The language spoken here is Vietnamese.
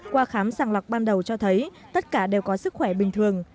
qua khám sàng lọc ban đầu cho thấy tất cả đều có sức khỏe bình thường